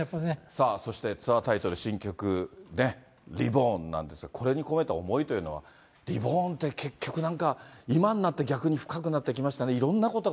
さあそして、ツアータイトル、新曲ね、リボーンなんですが、これに込めた思いというのは、リボーンって、結局なんか、今んなって逆に深くなってきましたね。